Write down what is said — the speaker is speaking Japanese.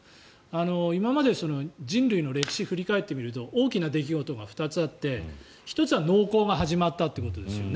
今まで、人類の歴史を振り返ってみると大きな出来事が２つあって１つは農耕が始まったということですよね